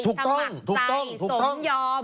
ถูกต้องสมยอม